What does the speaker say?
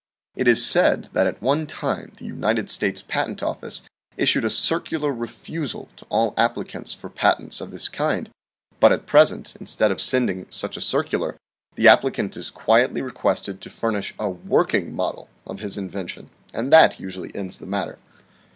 It is said, that at one time the United States Patent Office issued a circular refusal to all applicants for patents of this kind, but at present instead of sending such a circular, the applicant is quietly requested to furnish a working model of his invention and that usually ends the matter.